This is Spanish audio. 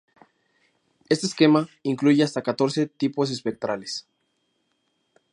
Este esquema incluye hasta catorce tipos espectrales.